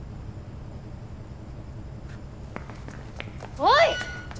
おい！